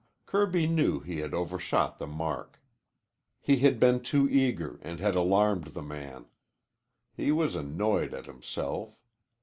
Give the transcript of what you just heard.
Kirby knew he had overshot the mark. He had been too eager and had alarmed the man. He was annoyed at himself.